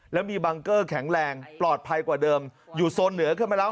แล้วมีบังเกอร์แข็งแรงปลอดภัยกว่าเดิมอยู่โซนเหนือขึ้นมาแล้ว